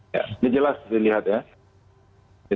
ini jelas dilihat ya